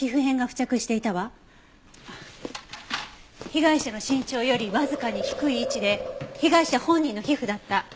被害者の身長よりわずかに低い位置で被害者本人の皮膚だった。